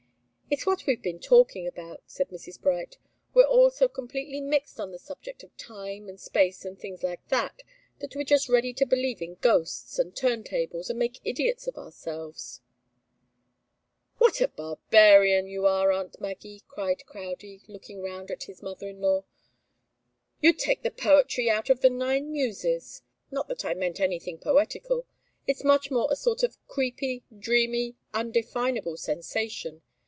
"It's what we've been talking about," said Mrs. Bright. "We're all so completely mixed on the subject of time and space and things like that, that we're just ready to believe in ghosts, and turn tables, and make idiots of ourselves." "What a barbarian you are, aunt Maggie!" cried Crowdie, looking round at his mother in law. "You'd take the poetry out of the Nine Muses. Not that I meant anything poetical. It's much more a sort of creepy, dreamy, undefinable sensation.